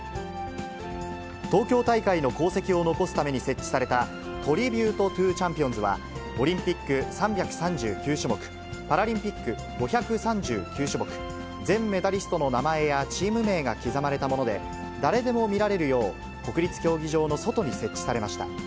東京大会の功績を残すために設置されたトリビュート・トゥー・チャンピオンズは、オリンピック３３９種目、パラリンピック５３９種目、全メダリストの名前やチーム名が刻まれたもので、誰でも見られるよう、国立競技場の外に設置されました。